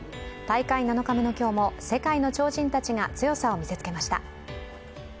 大会７日目の今日も世界の超人たちが強さを見せつけました。